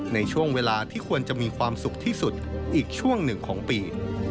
ในช่วงเวลาที่ควรจะมีความสุขที่สุดอีกช่วงหนึ่งของปี